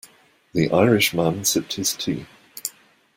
The Irish man sipped his tea.